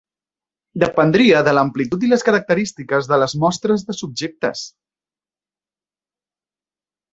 Dependria de l'amplitud i les característiques de les mostres de subjectes.